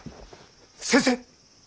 先生！